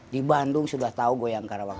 di bandung sudah tahu goyang karawang